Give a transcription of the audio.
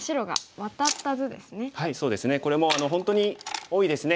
これも本当に多いですね。